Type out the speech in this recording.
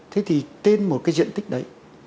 thế thì tên một cái diện tích đấy